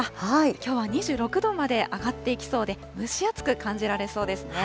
きょうは２６度まで上がっていきそうで、蒸し暑く感じられそうですね。